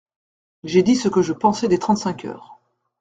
J’ai dit ce que je pensais des trente-cinq heures.